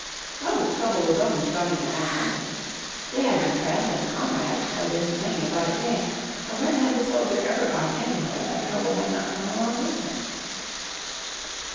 Oh ! Trouble was only jogging along with him. They had been friends and comrades for this many a bright day, for when had the soldier ever gone anywhere that Trouble had not gone along with him